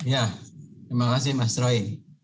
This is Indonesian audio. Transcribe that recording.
ya terima kasih mas roy